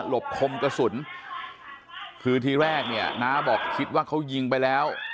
บคมกระสุนคือทีแรกเนี่ยน้าบอกคิดว่าเขายิงไปแล้ว